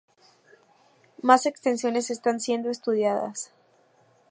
Más extensiones están siendo estudiadas.